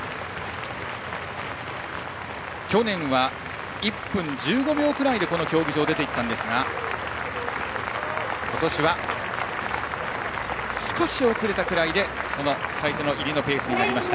去年は１分１５秒くらいでこの競技場を出て行ったんですが今年は、少し遅れたくらいの最初の入りのペースになりました。